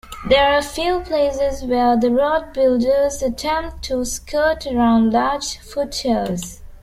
There are few places where the road builders attempted to skirt around large foothills.